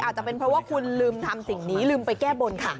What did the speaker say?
อาจจะเป็นเพราะว่าคุณลืมทำสิ่งนี้ลืมไปแก้บนค่ะ